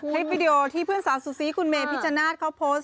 ให้วีดีโอที่เพื่อนสาวสุซีคุณเมย์พี่จนะนาทเขาโพสต์